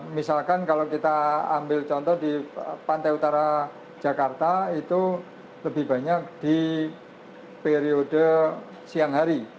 misalkan kalau kita ambil contoh di pantai utara jakarta itu lebih banyak di periode siang hari